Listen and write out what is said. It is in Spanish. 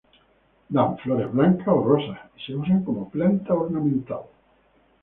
Dan flores blancas o rosas y se usan como planta ornamental.